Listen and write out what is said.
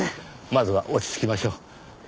まずは落ち着きましょう。